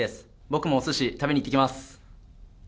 僕もおすし、食べに行ってきます。